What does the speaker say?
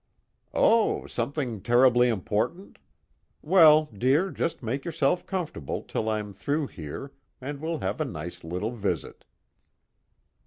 "Oh, something terribly important? Well, dear, just make yourself comfortable till I'm through here and we'll have a nice little visit."